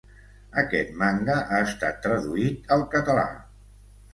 Aquest manga ha estat traduït al català.